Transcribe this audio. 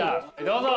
どうぞ！